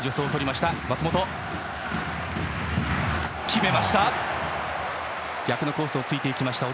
決めました。